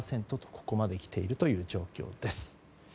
ここまで来ている状況です。